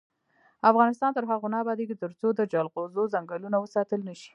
افغانستان تر هغو نه ابادیږي، ترڅو د جلغوزو ځنګلونه وساتل نشي.